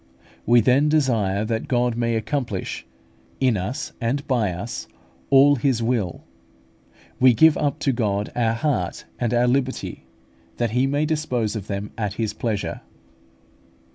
We then desire that God may accomplish, in us and by us, all His will; we give up to God our heart and our liberty, that He may dispose of them at His pleasure.